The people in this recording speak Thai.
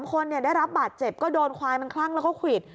คนได้รับบาดเจ็บก็โดนควายมันคลั่งแล้วก็ควิด